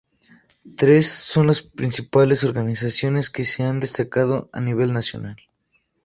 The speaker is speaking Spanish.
Tres son las principales organizaciones que se han destacado a nivel nacional.